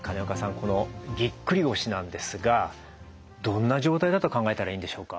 このぎっくり腰なんですがどんな状態だと考えたらいいんでしょうか？